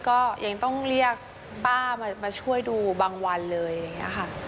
ก็ยังต้องเรียกป้ามาช่วยดูบางวันเลยค่ะ